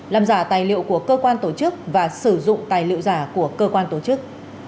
làm giả tài liệu của cơ quan tổ chức và sử dụng tài liệu giả của cơ quan tổ chức